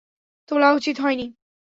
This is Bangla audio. তোলা উচিৎ হয়নি।